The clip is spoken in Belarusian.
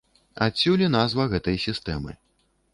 Адсюль і назва гэтай сістэмы.